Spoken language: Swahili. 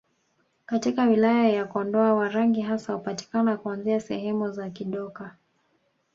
Katika wilaya ya Kondoa Warangi hasa hupatikana kuanzia sehemu za Kidoka